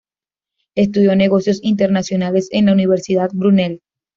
Estudió negocios internacionales en la Universidad Brunel.